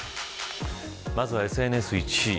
まずはＳＮＳ、１位。